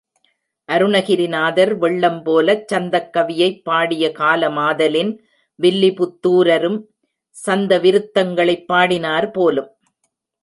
அருணகிரிநாதர் வெள்ளம் போலச் சந்தக் கவியைப் பாடிய காலமாதலின் வில்லிபுத்துரரும் சந்த விருத்தங்களைப் பாடினர் போலும்!